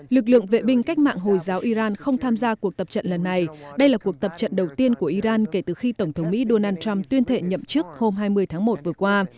lực lượng vệ binh cách mạng hồi giáo iran không tham gia cuộc tập trận lần này đây là cuộc tập trận đầu tiên của iran kể từ khi tổng thống mỹ donald trump tuyên thệ nhậm chức hôm hai mươi tháng một vừa qua